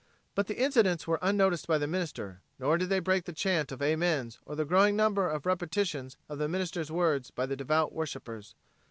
But the incidents were unnoticed by the minister, nor did they break the chant of amens or the growing number of repetitions of the minister's words by the devout worshipers.